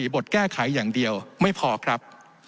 บทแก้ไขอย่างเดียวไม่พอครับ